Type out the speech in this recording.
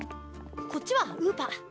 こっちはウーパ。